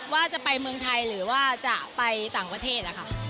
ว่าจะไปเมืองไทยหรือว่าจะไปต่างประเทศอะค่ะ